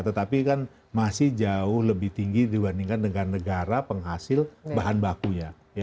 tetapi kan masih jauh lebih tinggi dibandingkan dengan negara penghasil bahan bakunya